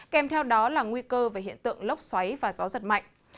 kèm theo đó là nguy cơ về hiện tượng lốc xoáy và gió giật mạnh